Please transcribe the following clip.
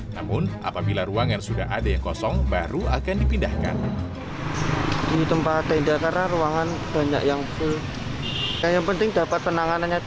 namun apabila ruang yang sudah ada yang kosong baru akan dipindahkan